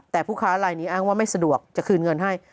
แต่ผู้ค้าลายนี้อ้างว่าไม่สะดวกจะคืนเงินให้